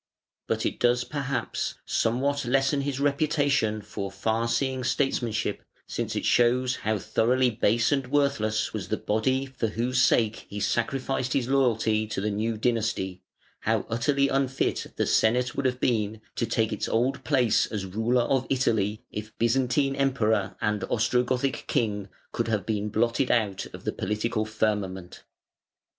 But it does perhaps somewhat lessen his reputation for far seeing statesmanship, since it shows how thoroughly base and worthless was the body for whose sake he sacrificed his loyalty to the new dynasty, how utterly unfit the Senate would have been to take its old place as ruler of Italy, if Byzantine Emperor and Ostrogothic King could have been blotted out of the political firmament.